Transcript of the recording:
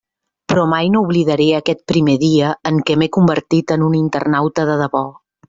Però mai no oblidaré aquest primer dia en què m'he convertit en un internauta de debò.